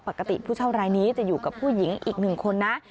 ผู้เช่ารายนี้จะอยู่กับผู้หญิงอีกหนึ่งคนนะ